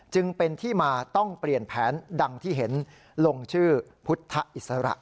จึงเป็นที่มาต้องเปลี่ยนแผนดังที่เห็นลงชื่อพุทธอิสระ